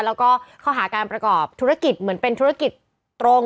แล้วก็ข้อหาการประกอบธุรกิจเหมือนเป็นธุรกิจตรง